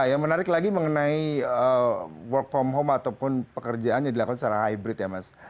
yang menarik lagi mengenai work from home ataupun pekerjaan yang dilakukan secara hybrid ya mas